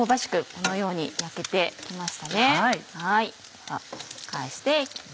このように焼けて来ましたね。